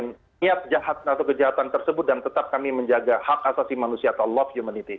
niat jahat atau kejahatan tersebut dan tetap kami menjaga hak asasi manusia atau love humanity